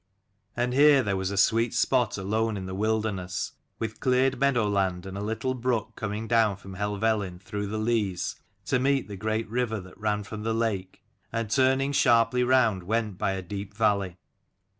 And here there was a sweet spot alone in the wilderness, with cleared meadow land and a little brook coming down from Helvellyn through the leas, to meet the great river that ran from the lake, and turning sharply round went by a deep valley.